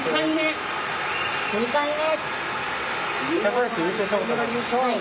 ２回目！